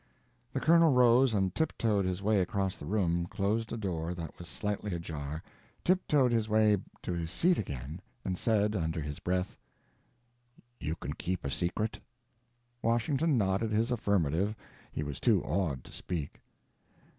The colonel rose and tip toed his way across the room, closed a door that was slightly ajar, tip toed his way to his seat again, and said, under his breath: "You can keep a secret?" Washington nodded his affirmative, he was too awed to speak.